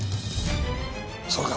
そうか。